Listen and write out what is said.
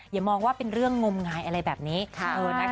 อย่ามองว่าเป็นเรื่องงมงายอะไรแบบนี้